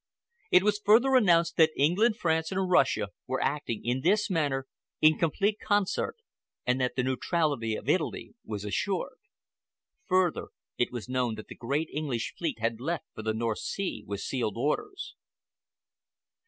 It was further announced that England, France, and Russia were acting in this matter in complete concert, and that the neutrality of Italy was assured. Further, it was known that the great English fleet had left for the North Sea with sealed orders.